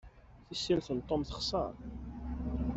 Tisellet n Tom texser.